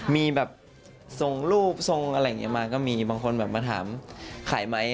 มีแบบส่งรูปส่งแบบนี้มีบางคนแบบมาถามไขม้ก็มี